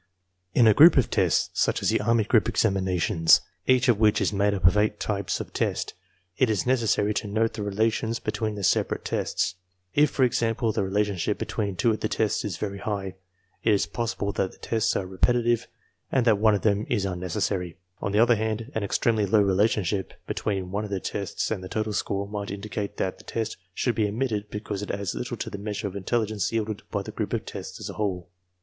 In a group of tests, such as the army group examinations, each of which is made up of eight types of test, it is necessary to note the relations between the separate tests. If, for example, the relationship between two of the tests is very high, it is pos sible that the tests are repetitive and that one of them is un necessary. On the other hand, an extremely low relationship between one of the tests and the total score might indicate that the test should be omitted because it adds little to the measure of intelligence yielded by the group of tests as a whole.